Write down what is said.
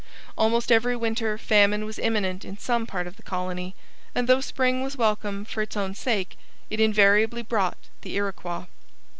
Almost every winter famine was imminent in some part of the colony, and though spring was welcome for its own sake, it invariably brought the Iroquois.